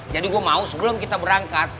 jadi gue mau sebelum kita berangkat